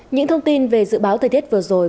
những thông tin về dự báo thời tiết vừa rồi